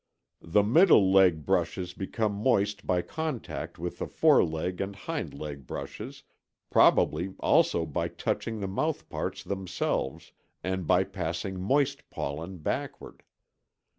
The middle leg brushes become moist by contact with the foreleg and hind leg brushes, probably also by touching the mouthparts themselves, and by passing moist pollen backward.